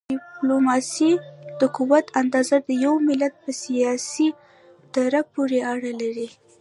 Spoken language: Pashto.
د ډیپلوماسی د قوت اندازه د یو ملت په سیاسي درک پورې اړه لري.